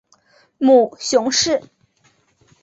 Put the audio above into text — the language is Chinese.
母熊氏。